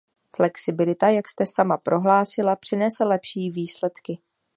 Flexibilita, jak jste sama prohlásila, přinese lepší výsledky.